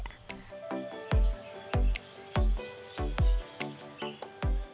meski di perbukitan protokol kesehatan tiga m yakni memakai masker menyiapkan hand sanitizer dan menggunakan kaki